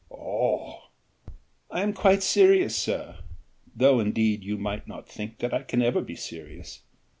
"Oh!" "I am quite serious, sir, though indeed you might not think that I can ever be serious.